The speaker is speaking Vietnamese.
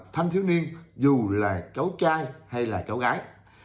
thanh thiếu niên dù là cháu trai hay là cháu gái